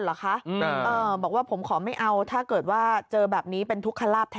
เหรอคะบอกว่าผมขอไม่เอาถ้าเกิดว่าเจอแบบนี้เป็นทุกขลาบ